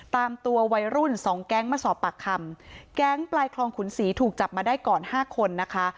ตามตัววัยรุ่นสองแก๊งมาสอบปากคำแก๊งปลายคลองขุนศรีถูกจับมาได้ก่อนห้าคนนะคะ